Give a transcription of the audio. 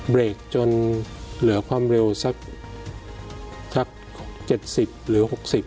เบรกจนเหลือความเร็วสัก๗๐หรือ๖๐